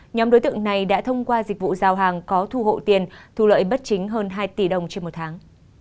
nhóm đối tượng này đã thông qua dịch vụ giao hàng có thu hộ tiền thu lợi bất chính hơn hai tỷ đồng trên một tháng